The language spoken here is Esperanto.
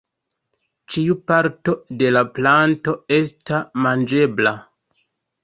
Ĉiu parto de la planto esta manĝebla.